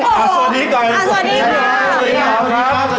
สวัสดีครับ